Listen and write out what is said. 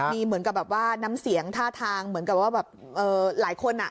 มีเหมือนกับน้ำเสียงท่าทางเหมือนกับว่าหลายคน